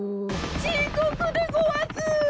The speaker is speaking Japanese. ちこくでごわす！